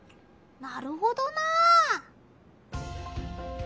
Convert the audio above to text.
なるほどなあ。